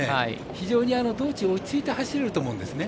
非常に道中、落ち着いて走ると思うんですね。